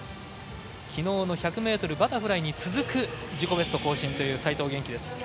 昨日の１００ｍバタフライに続く自己ベスト更新という齋藤元希です。